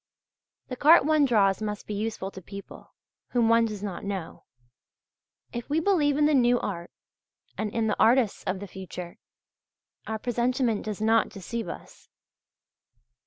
The cart one draws must be useful to people whom one does not know. If we believe in the new art, and in the artists of the future, our presentiment does not deceive us.